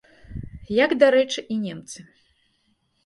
Як, дарэчы, і немцы.